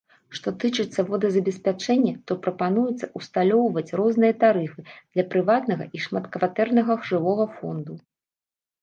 Што тычыцца водазабеспячэння, то прапануецца ўсталёўваць розныя тарыфы для прыватнага і шматкватэрнага жылога фонду.